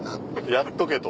やっとけと。